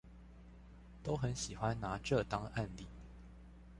都很喜歡拿這當案例